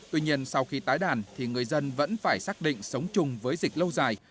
tuy nhiên sau khi tái đàn thì người dân vẫn phải xác định sống chung với dịch lâu dài